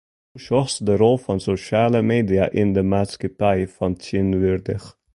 Hoe sjochst de rol fan sosjale media yn de maatskippij fan tsjintwurdich?